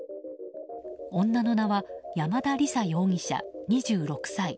女の名は山田李沙容疑者、２６歳。